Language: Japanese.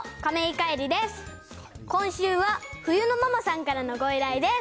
今週はふゆのままさんからのご依頼です。